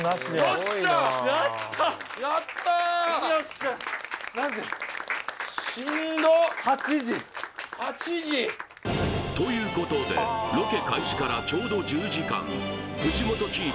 しんど８時８時！ということでロケ開始からちょうど１０時間藤本チーム